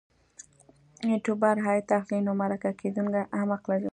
یوټوبر عاید اخلي نو مرکه کېدونکی هم حق لري.